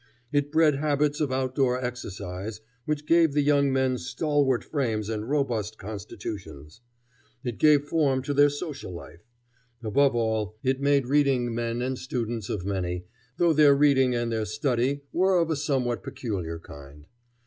It bred habits of outdoor exercise, which gave the young men stalwart frames and robust constitutions. It gave form to their social life. Above all, it made reading men and students of many, though their reading and their study were of a somewhat peculiar kind.